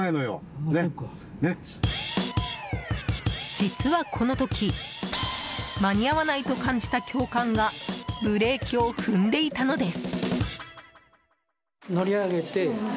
実は、この時間に合わないと感じた教官がブレーキを踏んでいたのです。